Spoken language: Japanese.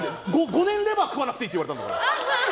５年レバー食わなくていいって言われたんだもん。